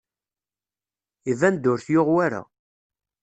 Iban-d ur t-yuɣ wara.